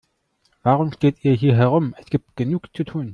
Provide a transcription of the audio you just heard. Warum steht ihr hier herum, es gibt genug zu tun.